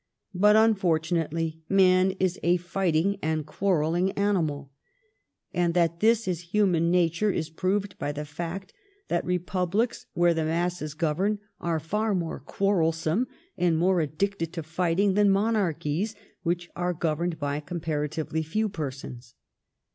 But, unfortunately, man is a fighting and quarrelling animal f and that this is human nature is proved by the fact that republics,, where the masses goTem, are far more quarrelsome and more ad dicted to fighting than monarchies, which are goyemed by compara tiyely few persons.